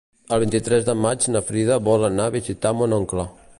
El vint-i-tres de maig na Frida vol anar a visitar mon oncle.